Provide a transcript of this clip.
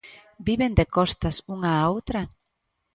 Viven de costas unha a outra?